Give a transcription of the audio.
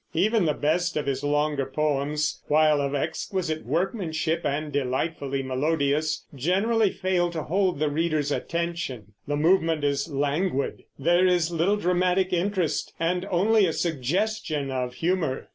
Even the best of his longer poems, while of exquisite workmanship and delightfully melodious, generally fail to hold the reader's attention. The movement is languid; there is little dramatic interest, and only a suggestion of humor.